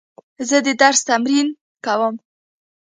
زه د درس تمرین کوم.